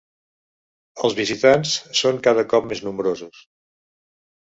Els visitants són cada cop més nombrosos.